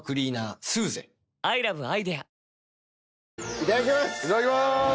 いただきます！